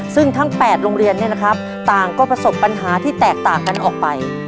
ซึ่งทั้ง๘โรงเรียนต่างก็ประสบปัญหาที่แตกต่างกันออกไป